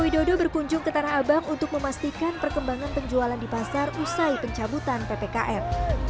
widodo berkunjung ke tanah abang untuk memastikan perkembangan penjualan di pasar usai pencabutan ppkm